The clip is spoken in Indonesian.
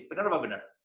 benar atau tidak